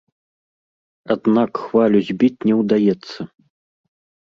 Аднак хвалю збіць не ўдаецца.